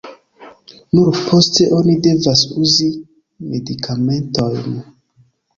Nur poste oni devas uzi medikamentojn.